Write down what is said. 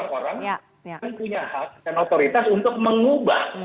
mereka punya hak dan otoritas untuk mengubah